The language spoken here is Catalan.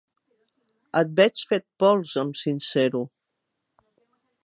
El veig fet pols —em sincero—.